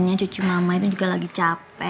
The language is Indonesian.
hanya cucu mama itu juga lagi capek